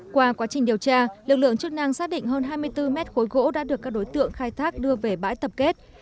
qua quá trình điều tra lực lượng chức năng xác định hơn hai mươi bốn mét khối gỗ đã được các đối tượng khai thác đưa về bãi tập kết